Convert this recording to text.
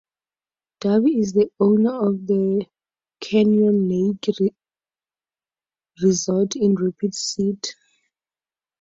Derby is the owner of the Canyon Lake Resort in Rapid City.